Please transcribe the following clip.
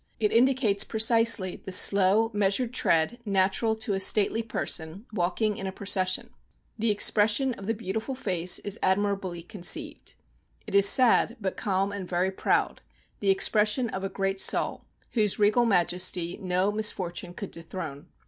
It indicates precisely the slow, measured tread natural to a stately person walking in a proces sion. The expression of the beautiful foce is admirably conceiv^ It is sad) but calm, and yor prQud . the exprcssion f a S rea *l soul, whose regal majesty no misfor tune could dethrone.